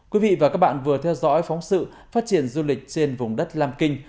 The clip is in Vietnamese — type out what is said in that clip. quý vị và các bạn vừa theo dõi phóng sự phát triển du lịch trên vùng đất lam kinh